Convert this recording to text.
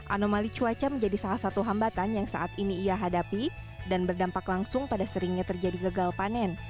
anomali cuaca menjadi salah satu hambatan yang saat ini ia hadapi dan berdampak langsung pada seringnya terjadi gagal panen